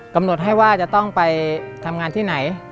กำหนดให้ว่าจะต้องไปทำงานที่ไหน